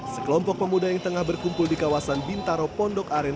sekelompok pemuda yang tengah berkumpul di kawasan bintaro pondok aren